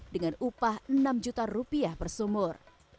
dengan upah rp enam juta per sumur